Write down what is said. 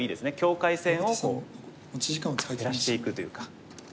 境界線を減らしていくというか。